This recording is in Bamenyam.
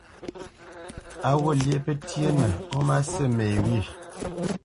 Á ghût lyéʼ pətyénə ó má sí me wyê?